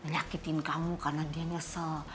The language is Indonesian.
yakin kamu karena dia nyesel